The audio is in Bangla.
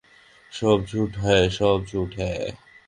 সব ঝুট হ্যায়, সব ঝুট হ্যায়।